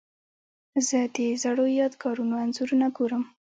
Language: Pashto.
زه د زړو یادګارونو انځورونه ګورم.